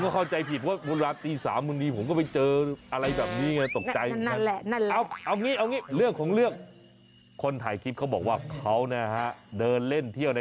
ก็ชอบออกไปไหนดึกแบบนี้ก็จะชอบลืมวันเวลา